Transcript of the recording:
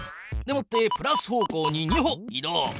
でもってプラス方向に２歩い動。